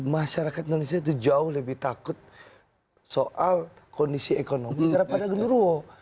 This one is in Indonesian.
masyarakat indonesia itu jauh lebih takut soal kondisi ekonomi daripada gendurowo